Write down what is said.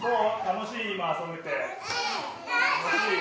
楽しい！